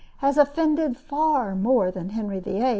has offended far more than Henry VIII.